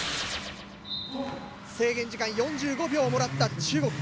制限時間４５秒をもらった中国。